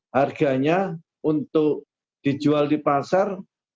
harganya untuk dijual di pasar